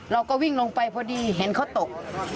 เราก็วิ่งลงไปพอดีเห็นเขาตก